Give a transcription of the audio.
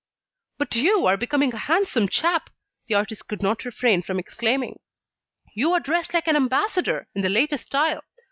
"But you are becoming a handsome chap," the artist could not refrain from exclaiming. "You are dressed like an ambassador, in the latest style.